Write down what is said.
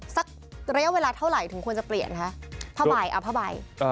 สักระยะเวลาเท่าไหร่ถึงควรจะเปลี่ยนคะผ้าใบเอาผ้าใบ